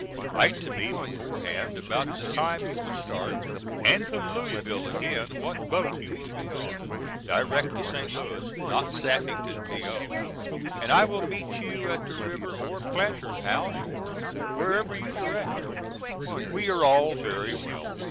Write to me beforehand about the time you will start, and from Louisville again, what boat you will be on, direct to St. Louis, not Sappington, P.O. and I will meet you at the river or Planter's House, or wherever you direct. We are all very well.